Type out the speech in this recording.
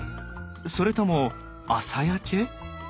それとも朝焼け？